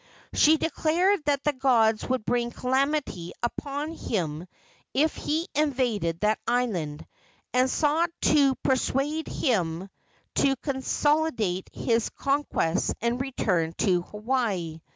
She declared that the gods would bring calamity upon him if he invaded that island, and sought to persuade him to consolidate his conquests and return to Hawaii.